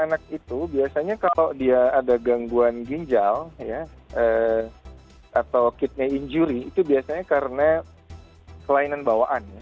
anak itu biasanya kalau dia ada gangguan ginjal ya atau kidney injury itu biasanya karena kelainan bawaan ya